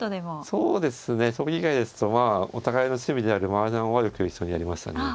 そうですね将棋以外ですとまあお互いの趣味であるマージャンはよく一緒にやりましたね。